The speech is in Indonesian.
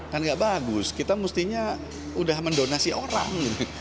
kan gak bagus kita mestinya udah mendonasi orang